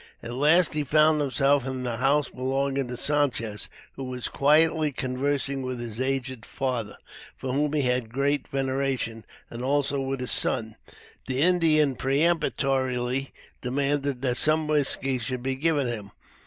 At last he found himself in the house belonging to Sanchez, who was quietly conversing with his aged father, for whom he had great veneration, and also with his son. The Indian peremptorily demanded that some whisky should be given him.